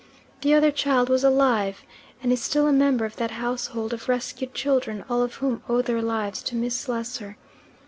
The other child was alive, and is still a member of that household of rescued children all of whom owe their lives to Miss Slessor.